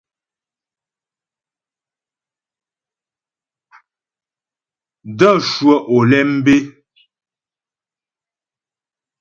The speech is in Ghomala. N də̂ cwə́ Olémbé.